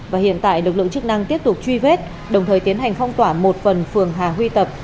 và hiện tại lực lượng chức năng tiếp tục truy vết đồng thời tiến hành phong tỏa một phần phường hà huy tập